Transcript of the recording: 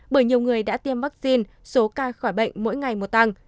bởi nhiều người đã tiêm vaccine số ca khỏi bệnh mỗi ngày mùa tăng